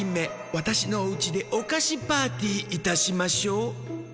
わたしのおうちでおかしパーティーいたしましょう！」。